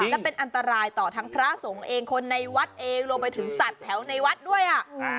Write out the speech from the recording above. และเป็นอันตรายต่อทั้งพระสงฆ์เองคนในวัดเองรวมไปถึงสัตว์แถวในวัดด้วยอ่ะ